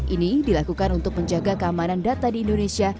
ini dilakukan untuk menjaga keamanan data di indonesia